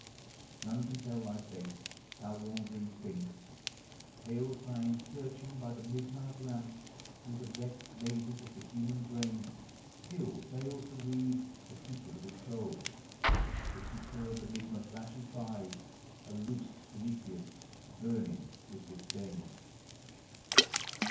none can tell thy fate, thou wandering Sphinx ! Pale Science, searching by the midnight lamp Through the vexed mazes of the human brain, Still fails to read the secret of its soul As the superb enigma flashes by, A loosed Prometheus burning with disdain.